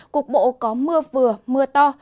cục bộ có mưa vừa mưa to